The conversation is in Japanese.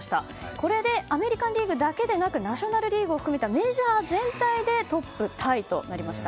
これでアメリカン・リーグだけでなくナショナル・リーグを含めたメジャー全体でトップタイとなりました。